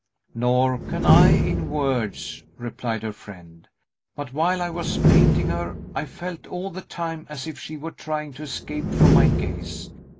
"Nor can I, in words," replied her friend. "But while I was painting her, I felt all the time as if she were trying to escape from my gaze.